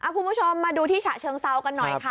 คุณผู้ชมมาดูที่ฉะเชิงเซากันหน่อยค่ะ